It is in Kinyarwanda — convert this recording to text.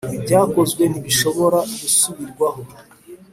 ibyakozwe ntibishobora gusubirwaho.